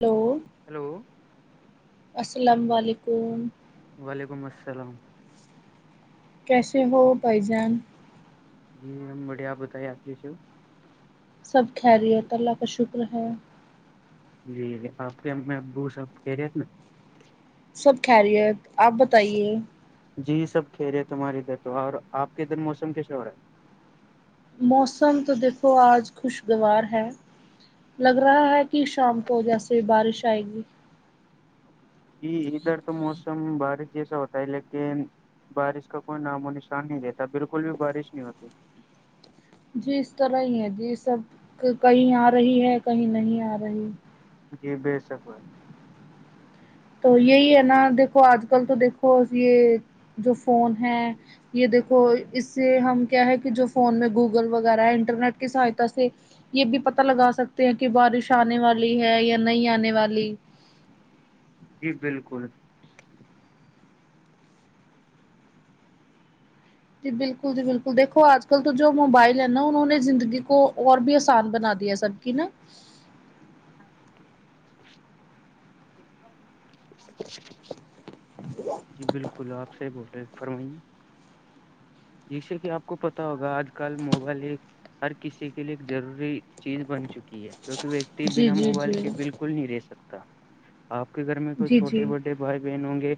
hello hello السلام علیکم وعلیکم السلام کیسے ہو بھائی جان جی ہم بڑھیا آپ بتائیے آپ کیس سب کہریی ہو تو اللہ کا شکر ہے جی جی آپ کے میں ابوس آب کہہ رہی نا سب کہ رہی ہے آپ بتائیے جی سب کھیرے ہیں تمہارے ادھر تو اور آپ کے ادھر موسم کیسے اور رہا ہے موسم تو دیکھو آج خوشگوار ہے لگ رہا ہے کہ شام کو جیسے بارش آئے گی جی ادھر تو موسم بارش جیسا ہوتا ہے لیکن بارش کا کوئی نام و نشان نہیں دیتا بالکل بھی بارش نہیں ہوتی جی اس طرح ہی ہے جی سب کہیں آ رہی ہے کہیں نہیں آ رہی جی بے شک بار تو یہی ہے نا دیکھو آج کل تو دیکھو یہ جو فون ہے یہ دیکھو اس سے ہم کیا ہے کہ جو فون میں گوگل وغیرہ ہے انٹرنیٹ کی سہایتا سے یہ بھی پتاہ لگا سکتے ہیں کہ بارش آنے والی ہے یا نہیں آنے والی جی بالکل جی بالکل جی بالکل دیکھو آج کل تو جو موبائل ہے نا انہوں نے زندگی کو اور بھی آسان بنا دیا ہے سر کہ ن اچ [inaudible] [inaudible] [inaudible] جی بالکل آپ سے بول رہے ہیں فرمائیے جیسے کہ آپ کو پتا ہوگا آج کل موبائل ایک ہر کسی کے لیے ایک ضروری چیز بن چکی ہے کیہ ویکتی جی بنا جی جی موبائل کے بالکل نہیں رہ سکتا آپ کے گھر میں کوئی جی جی چھوٹے بٹے بھائی بہن ہوں گے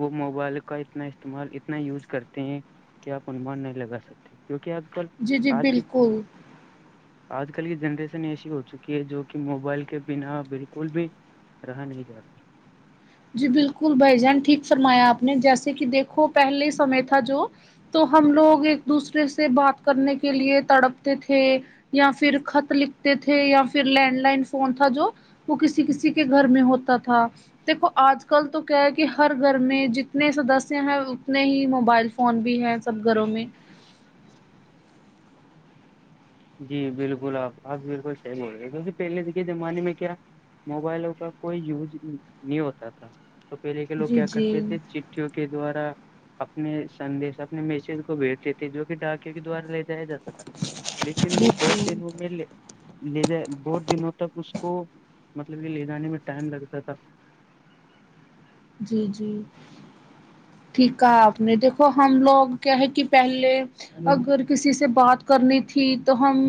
وہ موبائل کا اتنا استعمال اتنا یوز کرتے ہیں کہ آپ انمان نہیں لگا سکتے کیوںکہ آج کل جی جی آج کی بالکل آج کل کی جنریشن ایسی ہو چکی ہے جو کہ موبائل کے بنا بالکل بھی رہا نہیں جا رہا جی بالکل بھائی جان ٹھیک فرمایا آپ نے جیسے کہ دیکھو پہلے سمے تھا جو تو ہم لوگ ایک دوسرے سے بات کرنے کے لیے تڑپتے تھے یا پھر خط لکھتے تھے یا پھر لینڈ لائن فون تھا جو وہ کسی کسی کے گھر میں ہوتا تھا دیکھو آج کل تو کیا ہے کہ ہر گھر میں جتنے سدسیہ ہیں اتنے ہی موبائل فون بھی ہیں سب گھروں میں جی بالکل آپ آپ بالکل صحیح بول رہے ہیں کیکہ پہلے کے زمانے میں کیا موبائلوں کا کوئی یوز نہیں ہوتا تھا تو پہلے کے لوگ جی کیا جی کرتے تھے چ کے دوارا اپنے سندیش اپنے میسج کو بھیجتے تھے جو کہ ڈاکی کے دوارا لے جایا جاتا تھا لیکن جی وہ بہت جی دن وہ میے لے جا بہت دنوں تک اس کو مطلب کہ لے جانے میں ٹائم لگتا تھا جی جی ٹھیک کہا آپ نے دیکھو ہم لوگ کیا ہے کہ پہلے اگر کسی سے بات کرنی تھی تو ہم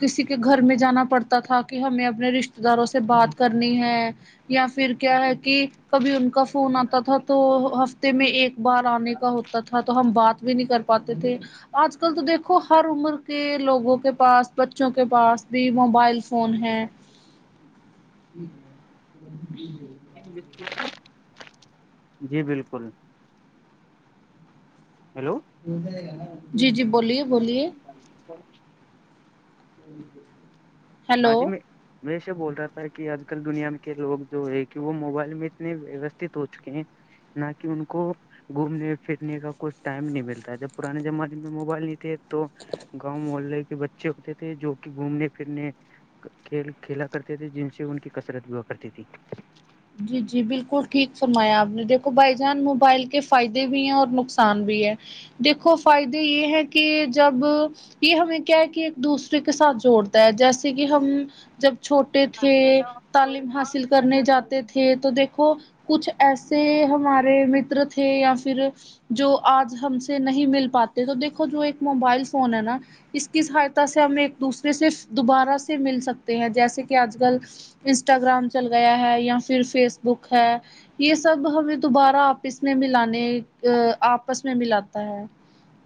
کسی کے گھر میں جانا پڑتا تھا کہ ہمیں اپنے رشتے داروں سے بات کرنی ہے یا پھر کیا ہے کہ کبھی ان کا فون آتا تھا تو ہفتے میں ایک بار آنے کا ہوتا تھا تو ہم بات بھی نہیں کرتے پاتے تھے آج کل تو دیکھو ہر عمر کے لوگوں کے پاس بچوں کے پاس بھی موبائل فون ہیں ج جی بالکل ہیلو جی جی بولیے بولیے جی آج میں ہمیشہ بول رہا تھا کہ آج کل دنیا کے لوگ جو ہے کہ وہ موبائل میں اتنے ویوستھت ہو چکے ہیں نہ کہ ان کو گھومنے پھرنے کا کچھ ٹائم نہیں ملتا جب پرانے زمانے میں موبائل نہیں تھے تو گاؤں محلے کے بچے ہوتے تھے جو کہ گھومنے پھرنے کھیل کھیلا کرتے تھے جن سے ان کی کثرت ہوا کرتی تھی جی جی بالکل ٹھیک فرمایا آپ نے دیکھو بائی جان موبائل کے فائدے بھی ہیں اور نقصان بھی ہے دیکھو فائدے یہ ہیں کہ جب یہ ہمیں کیا ہے کہ دوسرے کے ساتھ جوڑتا ہے جیسے کہ ہم جب چھوٹ ہاں بت کوئی آ کر جاتے تھے تو دیکھو کچھ ایسے ہمارے متر تھے یا پھر جو آج ہم سے نہیں مل پاتے تو دیکھو جو ایک موبائل فون ہے نا اس کی سہایتا سے ہم ایک دوسرے سے دوبارہ سے مل سکتے ہیں جیسے کہ آج کل انسٹاگررام چل گیا ہے یا پھر فیس بک ہے یہ سب ہمیں دوبارہ آپس میں ملانے آپس میں ملاتا ہے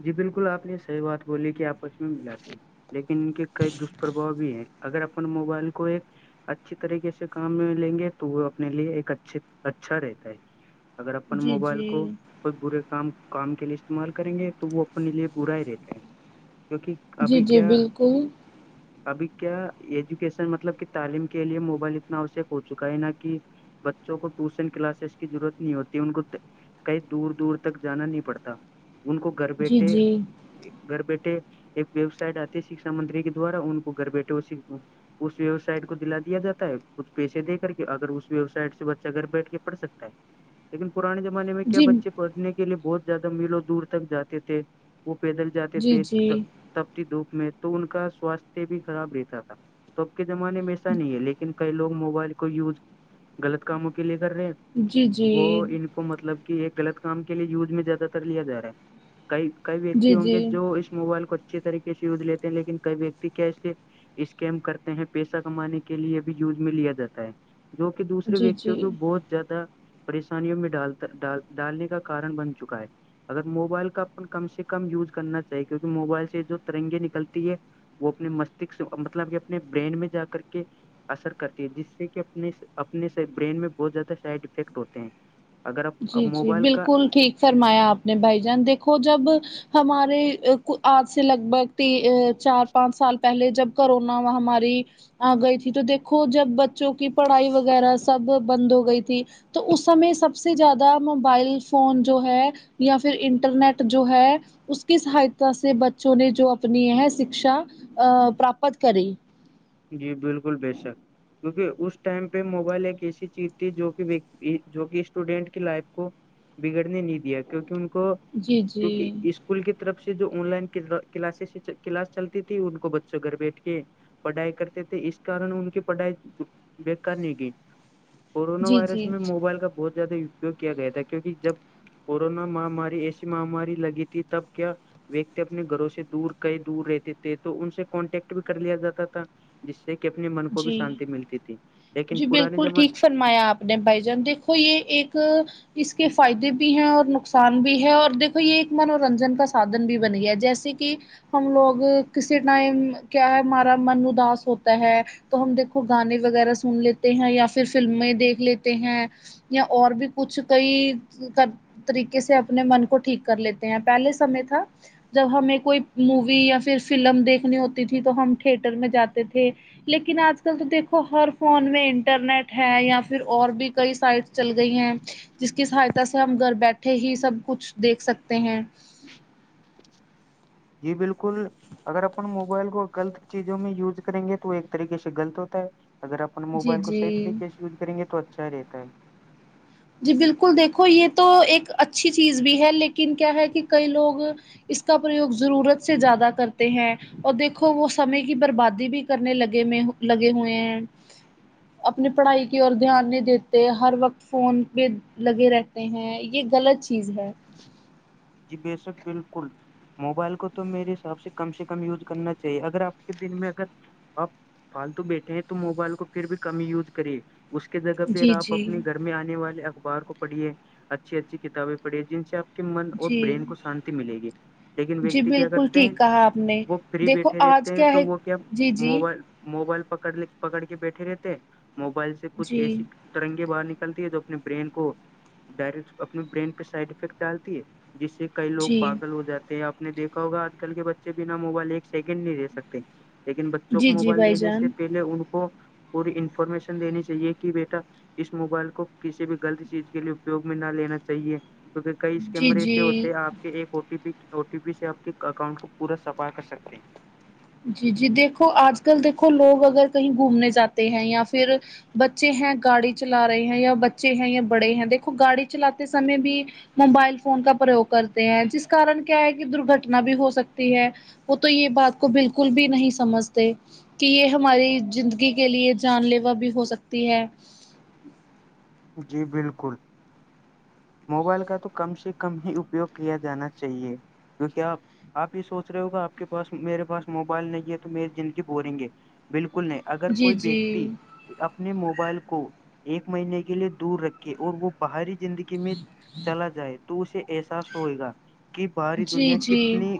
جی بالکل آپ نے صحیح بات بولی کہ آپس میں ملا س لیکن ان کے کئی دشپربھؤ بھی ہیں اگر اپن موبائل کو ایک اچھی طریقے سے کام میں لیں گے تو وہ اپنے لیے ایک اچھے اچھا رہتا ہے اگر اپن جی موبائل جی کو کوئی برے کام کام کے لیے استعمال کریں گے تو وہ اپنے لیے برا ہی رہتا ہیں کیونکہ جی ابھی جی کیا بالکل ابھی کیا ایجوکیشن مطلب کہ تعلیم کے لیے موبائل اتنا آوشک ہو چکا ہے نا کہ بچوں کو ٹیوشن کلاسز کی ضرورت نہیں ہوتی ان کو کہیں دور دور تک جانا نہیں پڑتا ان کو گھر جی بیٹھے جی گھر بیٹے ایک ویب سائٹ آتی ہے شکشا منتری کے دوارا ان کو گھر بیٹھے اس ویب سائٹ کو دلا دیااتا ہے کچھ پیسے دے کر کے اگر اس ویب سائٹ سے بچہ گھر بیٹھ کے پڑھکتا ہے لیکن پرانے زمانے میں کیا جی بچے پڑھنے کے لیے بہت زیادہ میلوں دور تک جاتے تھے وہ پیدل جاتے جی تھے جی تپتی دھوپ میں تو ان کا سواستھ بھی خراب رہتا تھا تو اب کے زمانے میں ایسا نہیں ہے لیکن کئی لوگ موبائل کو یوز غلط کاموں کے لیے کر رہے جی جی ہیں وہ ان جی کو مطلب کہ ایک غلط کام کے لیے یوز میں زیادہ تر لیا جا رہا ہے کئی کئی ویکتی ہوں جی گے جو اس موبائل کو اچھے طریقے سے یوز لیتے ہیں لیکن کئی ویکتی کیسے اسکم کرتے ہیں پیسہ کمانے کے لیے بھی یوز میں لیا جاتا ہے جو کہ دوسرے جی وکتیوں جی کو بہت زیادہ پریشانیوں میں ڈالتا ڈالنے کا کارن بن چکا ہے اگر موبائل کا کم سے کم یوز کرنا چاہیے کیونکہ موبائل سے جو ترنگے نکلتی ہے وہ اپنے مستشک مطلب کہ اپنے برین میں جا کر کے اثر کرتی ہے جس سے کہ اپنے اپنے سے برین میں بہت زیادہ سائڈ افیکٹ ہوتے ہیں اگر آپ جی جی موبائل کا بالکل ٹھیک فرمایا آپ نے بھائی جان دیکھو جب ہمارے آج سے لگ بھگ ت چار پانچ سال پہلے جب کرونا مہ ہماری آ گئی تھی تو دیکھو جب بچوں کی پڑھائی وغیرہ سب بند ہو گئی تھی تو اس سمے سب سے س سے زیادہ موبائل فون جو ہے یا پھر انٹرنیٹ جو ہے اس کی سہاتا سے بچوں نے جو اپنی یہ شکشا پراپت کری جی بالکل بے شک کیونکہ اس ٹائم پہ موبائل ایک ایسی چیز تھی جو کہ جو کہ اسٹوڈینٹ کی لائف کو بگڑنے نہیں دیا کیونکہ ان کو جی کیونکہ جی اس کول کی طرف سے جو آن لائن کلاس کلاس چلتی تھی ان کو بچوں گھر بیٹھ کے پڑھائی کرتے تھے اس کارن ان کی پڑھائی بےکار نہیں گئی کورونا جی وائرس جی میں موبائل کا بہت زیادہ اپیوگ کیا گیا تھا کیونکہ جب کورونا مہماری ایسی مہماری لگی تھی تب کیا ویکتی اپنے گھروں سے دور کئی دور رہتے تھے تو ان سے کانٹیکٹ بھی کر لیا جاتا تھا جس سے کہ اپنے من کو بھی جی شانتی ملتی تھی لیکن جی پرانے بالکل ٹھیک زمانے فرمایا اپنے بائی جان دیکھو یہ ایک اس کے فائدے بھی ہیں اور نقصان بھی ہے اور دیکھو یہ ایک منورنجن کا سادھن بھی بن گیا جیسے جیسے کہ ہم لوگ کسی ٹائم کیا ہے ہمارا من اداس ہوتا ہے تو ہم دیکھو گانے وغیرہ سن لیتے ہیں یا پھر فلمیں دیکھ لیتے ہیں یا اور بھی کچھ کئی کر طریقے سے اپنے من کو ٹھیک کر لیتے ہیں پہلے سمے تھا جب ہمیں کوئی مووی یا پھر فلم دیکھنی ہوتی تھی تو ہم تھیٹر میں جاتے تھے لیکن آج کل تو دیکھو ہر فون میں انٹرنیٹ ہے یا پھر اور بھی کئی سائٹس چل گئی ہیں جس کی سہاتا سے ہم گھر بیٹھے ہی سب کچھ دیکھ سکتے ہیں جی بالکل اگر اپن موبائل کو غلط چیزوں میں یوز کریں گے تو ایک طریقے سے غلط ہوتا ہے اگر اپنے جی موبائل کو صحی جی طریقے سے یوز کریں گے تو اچھا رہتا ہے جی بالکل دیکھو یہ تو ایک اچھی چیز بھی ہے لیکن کیا ہے کہ کئی لوگ اس کا پرریوگ ضرورت سے زیادہ کرتے ہیں اور دیکھو وہ سمے کی بربادی بھی کرنے لگے میں لگے ہوئے ہیں اپنی پڑھائی کی اور دھیان نہیں دیتے ہر وقت فون پہ لگے رہتے ہیں یہ غلط چیز ہے جی بے شک بالکل موبائل کو تو میرے حساب سے کم سے کم یوز کرنا چاہیے اگر آپ کے دن میں اگر آپ فالتو بیٹھے ہیں تو موبائل کو پھر بھی کمی یوز کرے اس کے جگہ پہ جی آپ جی اپنے گھر میں آنے والے اخبار کو پڑھیے اچھی اچھی کتابیں پڑھیے جن سے آپ کے من اور جی برین کو شانتی ملے گی لیکن جی ویکتی کیا بالکل کرتے ہیں ٹھیک کہا آپ نے وہ فری دیکھو بیٹھے رہتے آج ہیں تو ہے وہ کیا جی جی موبائل موبائل پکڑ پکڑ کے بیٹھے رہتے موبائل سے کچھ ای جی س ترنگے باہر نکلتی ہے جو اپنے برین کو ڈائریکٹ اپنے برین پہ سائڈ افیکٹ ڈالتی ہے جس سے کئی لوگ جی پاگل ہو جاتے ہیں اپ آپ نے دیکھا ہوا آج کل کے بچے بنا موبائل ایک سیکنڈ نہیں رہے سکتے لیکن بچوں کو جی جی موبائل بھائی دینے سے جان پہلے ان کو پوری انفارمیشن دینی چاہیے کہ بیٹا اس موبائل کو کسی بھی غلط چیز کے لیے اپیوگ میں نہ لینا چاہیے کیونکہ کئی جی کیمرے جی آپ کے ایک او ٹی پی سے اپ کے اکاؤنٹ کو پورا سفائی کر سکتے ہیں جی جی دیکھو آج کل دیکھو لوگ اگر کہیں گھومنے جاتے ہیں یا پھر بچے ہیں گاڑی چلا رہے ہیں یا بچے ہیں یا بڑے ہیں دیکھو گاڑی چلاتے سمے بھی موبائل فون کا پریوگ کرتے ہیں جس کن کیا ہے کہ درگھٹنا بھی ہو سکتی ہے وہ تو یہ بات کو بالکل بھی نہیں سمجھتے کہ یہ ہماری زندگی کے لیے جان لیوا بھی ہو سکتی ہے جی بالکل موبائل کا تو کم سے کم ہی اپیوگ کیا جانا چاہیے تو کیا آپ آپ یہ سوچ رہے ہوگا آپ کے پاس میرے پاس موبائل نہیں ہے تو میری زندگی بوریں گے بالکل نہیں اگر جی کوئی جی ویکتی اپنے موبائل کو ایک مہینے کے لئے دور رکھے اور وہ باہری زندگی میں چلا جائے تو اسے احساس ہوئے گا کی باہاری جی دنیا جی کتنی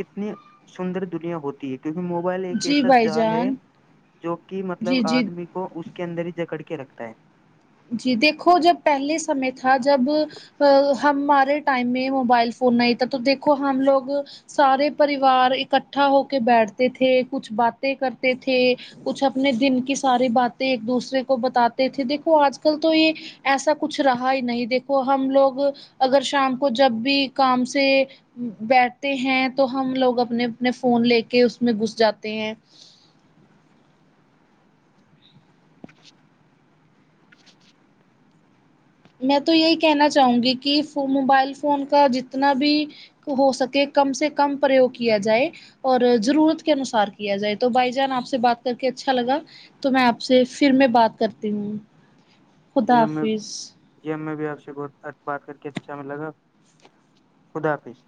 کتنی سندر دنیا ہوتی ہے کیونکہ موبائل ایک جی ایسا بھائی جال ہے جان جو کہ جی مطلب جی آدمی کو اس کے اندر ہی جکڑ کے رکھتا ہے جی دیکھو جب پہلے سمے تھا جب ہمارے ٹائم میں موبائل فون نہیں تھا تو دیکھو ہم لوگ سارے پریوار اکٹھا ہو کے بیٹھتے تھے کچھ باتیں کرتے تھے کچھ اپنے دن کی ساری باتیں ایک دوسرے کو بتاتے تھے دیکھو آج کل تو یہ ایسا کچھ رہا ہی نہیں دیکھو ہم لوگ اگر شام کو جب بھی کام سے بیٹھتے ہیں تو ہم لوگ اپنے اپنے فون لے کے اس میں گھس جاتے ہیں [inaudible] میں تو یہی کہنا چاہوں گی کہ موبائل فون کا جتنا بھی ہو سکے کم سے کم پریوگ کیا جائے اور ضرورت کے انوسار کیا جائے تو بائی جان آپ سے بات کر کے اچھا لگا تو میں آپ سے پھر میں بات کرتی ہوں خدا جی ہمیں حافظ یہ ہم میں بھی آپ سے بات کر کے اچھا میں لگا خدا حافظ